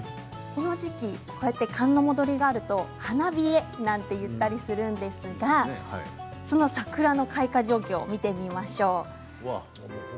この時期こうやって寒の戻りがあると花冷えなんて言ったりするんですがその桜の開花状況を見てみましょう。